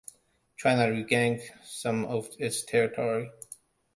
China regained some of its territory.